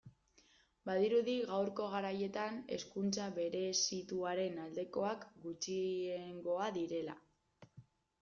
Badirudi gaurko garaietan hezkuntza berezituaren aldekoak gutxiengoa direla.